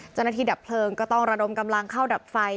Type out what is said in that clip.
ดับเพลิงก็ต้องระดมกำลังเข้าดับไฟ